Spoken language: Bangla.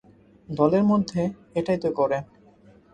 দলের মধ্যে এটাই তো করে।